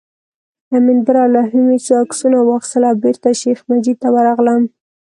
له منبر او لوحې مې څو عکسونه واخیستل او بېرته شیخ مجید ته ورغلم.